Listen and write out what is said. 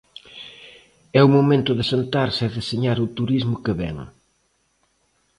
É o momento de sentarse e deseñar o turismo que vén.